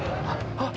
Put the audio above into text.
あっ！